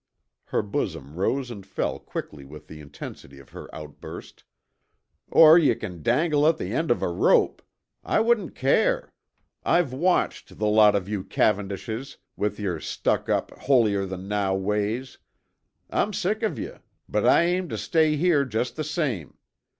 Her bosom rose and fell quickly with the intensity of her outburst. "Or yuh c'n dangle at the end of a rope. I wouldn't care. I've watched the lot of you Cavendishes, with yer stuck up 'holier than thou' ways. I'm sick of yuh, but I aim tuh stay here just the same.